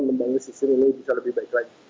membangun sistem ini bisa lebih baik lagi